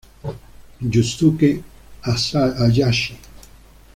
Yusuke Hayashi